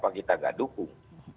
kalau kita tidak mendukung